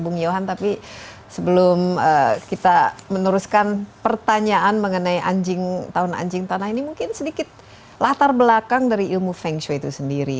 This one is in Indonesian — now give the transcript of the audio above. bung yohan tapi sebelum kita meneruskan pertanyaan mengenai anjing tahun anjing tanah ini mungkin sedikit latar belakang dari ilmu feng shui itu sendiri